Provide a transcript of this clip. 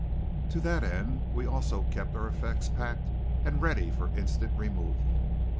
To that end we also kept our effects packed and ready for instant removal.